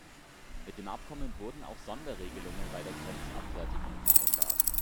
Mit dem Abkommen wurden auch Sonderregelungen bei der Grenzabfertigung vereinbart.